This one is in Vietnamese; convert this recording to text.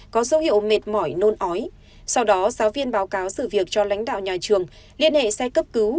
có dấu hiệu mệt mỏi nôn ói sau đó giáo viên báo cáo sự việc cho lãnh đạo nhà trường liên hệ xe cấp cứu